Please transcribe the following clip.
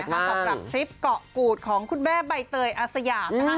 สำหรับทริปเกาะกูดของคุณแม่ใบเตยอาสยาม